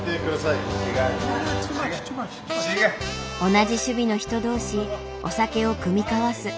同じ趣味の人同士お酒を酌み交わす。